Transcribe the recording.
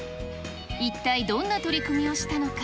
一体どんな取り組みをしたのか。